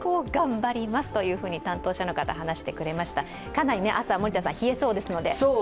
かなり朝、冷えそうですので。